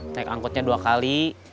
naik angkotnya dua kali